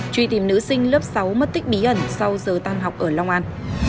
truy tìm nữ sinh lớp sáu mất tích bí ẩn sau giờ tan học ở long an